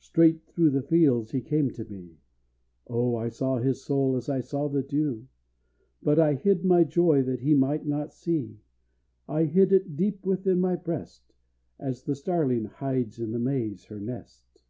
Straight through the fields he came to me, (Oh I saw his soul as I saw the dew!) But I hid my joy that he might not see, I hid it deep within my breast, As the starling hides in the maize her nest.